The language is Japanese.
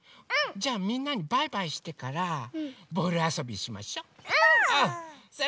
じゃみんなにバイバイしてからボールあそびしましょ。ぽぅ！